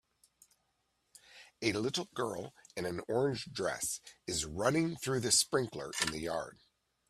A little girl in an orange dress is running through the sprinkler in the yard